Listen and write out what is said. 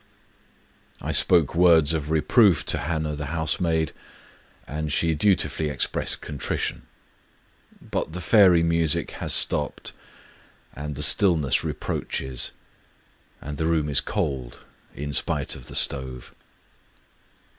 ... I spoke words of reproof to Hana the housemaid, and she dutifully expressed contrition. But the fiury music has stopped; and the stillness reproaches; and the room is cold, in spite of the stove.